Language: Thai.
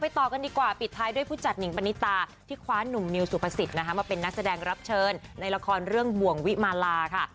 ต่อกันดีกว่าปิดท้ายด้วยผู้จัดหนิงปณิตาที่คว้านุ่มมิวสุภาษิตนะคะมาเป็นนักแสดงรับเชิญในละครเรื่องบ่วงวิมาลาค่ะ